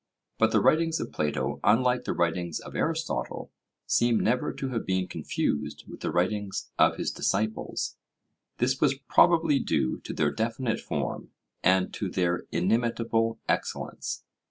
But the writings of Plato, unlike the writings of Aristotle, seem never to have been confused with the writings of his disciples: this was probably due to their definite form, and to their inimitable excellence.